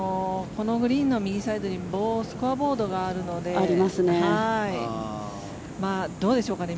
このグリーンの右サイドにスコアボードがあるのでどうでしょうかね。